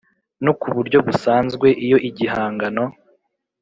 no ku buryo busanzwe iyo igihangano